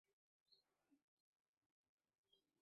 নেতিবাচক কথা বলছি না, কিন্তু ওরা সেই কখন চলে গেছে।